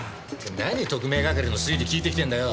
何特命係の推理聞いてきてんだよ！